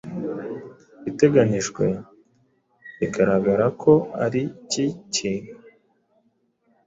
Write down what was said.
iteganijwe bigaragara ko ari cyikintu